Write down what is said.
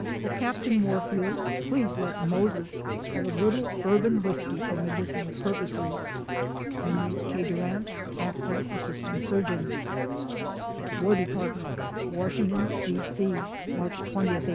Will Capt. Wai field please let " Moses " have a little Bourbon whiskey for medicinal purposes. HENRY K. DURBANT, Act. Ass. Surgeon. WAR DEPARTMENT, WASHINGTON, D. C., March 20, 1865.